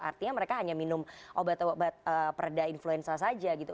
artinya mereka hanya minum obat obat perda influenza saja gitu